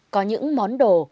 có những món đồ